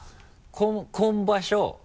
今場所